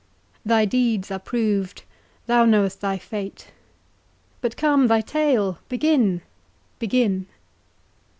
Thy deeds are proved—thou know'st thy fate; But come, thy tale—begin—begin.